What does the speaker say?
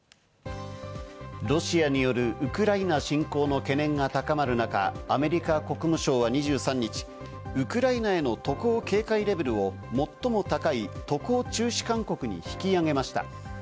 ロシアによるウクライナ侵攻の懸念が高まる中、アメリカ国務省は２３日、ウクライナへの渡航警戒レベルを最も高い、渡航中止勧告に引き上げました。